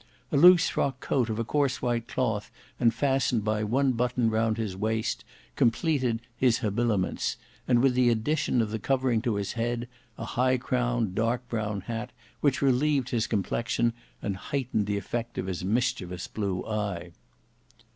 A loose frock coat of a coarse white cloth, and fastened by one button round his waist, completed his habiliments, with the addition of the covering to his head, a high crowned dark brown hat, which relieved his complexion, and heightened the effect of his mischievous blue eye.